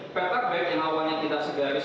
petak baik yang awalnya tidak segaris